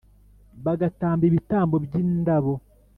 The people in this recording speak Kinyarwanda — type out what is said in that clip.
bagatamba ibitambo by’indabo